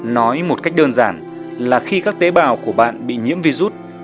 nói một cách đơn giản là khi các tế bào của bạn bị nhiễm virus